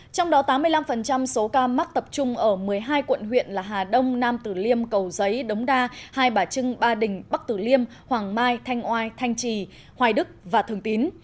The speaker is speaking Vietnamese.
trong đó tám mươi năm số ca mắc tập trung ở một mươi hai quận huyện là hà đông nam tử liêm cầu giấy đống đa hai bà trưng ba đình bắc tử liêm hoàng mai thanh oai thanh trì hoài đức và thường tín